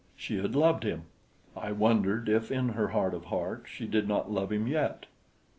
She had loved him! I wondered if in her heart of hearts she did not love him yet.